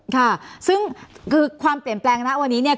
ค่ะซึ่งคือความเปลี่ยนแปลงนะวันนี้เนี่ย